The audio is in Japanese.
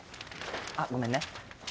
あっごめんね。